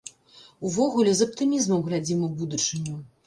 Увогуле, з аптымізмам глядзім у будучыню.